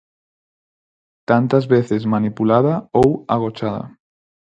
Tantas veces manipulada ou agochada.